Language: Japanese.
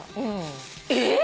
えっ！？